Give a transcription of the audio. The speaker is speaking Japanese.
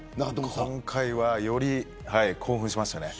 今回はより興奮しました。